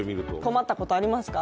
困ったことありますか。